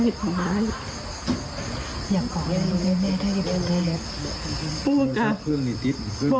พันธุรวงภูอวรไปกับองค์พระธาตุพนมพรุ่งกรับไปครับ